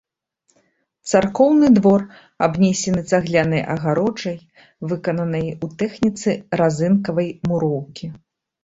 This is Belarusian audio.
Царкоўны двор абнесены цаглянай агароджай, выкананай у тэхніцы разынкавай муроўкі.